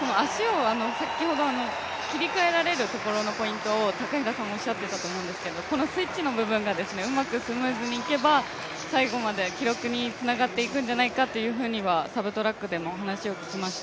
この足を、先ほど切り替えられるポイントを高平さんおっしゃっていたと思うんですけど、このスイッチの部分がうまくスムーズにいけば、最後まで記録につながっていくんじゃないかというふうにはサブトラックでもお話を聞きました。